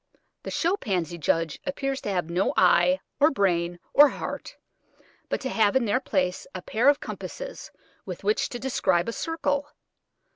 The show pansy judge appears to have no eye, or brain, or heart, but to have in their place a pair of compasses with which to describe a circle!